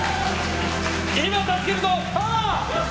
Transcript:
今助けるぞ！